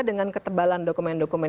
dengan ketebalan dokumen dokumen